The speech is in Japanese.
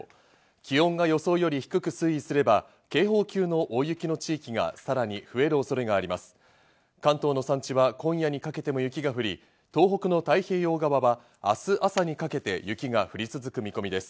気温は予想より低く推移すれば警報級の大雪の地域がさらに増える恐れがあります。